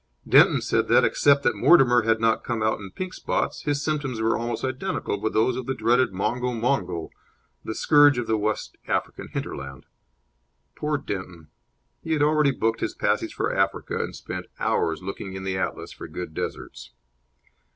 Denton said that, except that Mortimer had not come out in pink spots, his symptoms were almost identical with those of the dreaded mongo mongo, the scourge of the West African hinterland. Poor Denton! He had already booked his passage for Africa, and spent hours looking in the atlas for good deserts.